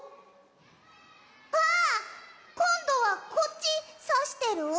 あっこんどはこっちさしてる？